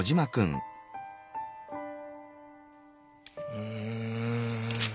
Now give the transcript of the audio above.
うん。